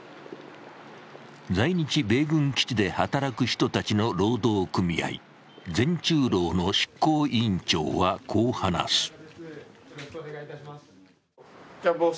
在日米軍基地で働く人たちの労働組合全駐労の執行委員長はこう話す。